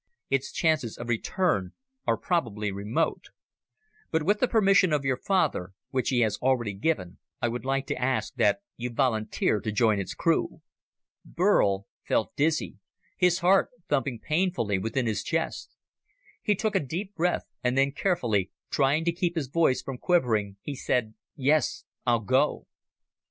Its chances of return are probably remote. But with the permission of your father, which he has already given, I would like to ask that you volunteer to join its crew." Burl felt dizzy, his heart thumping painfully within his chest. He took a deep breath, and then carefully, trying to keep his voice from quivering, he said, "Yes, I'll go."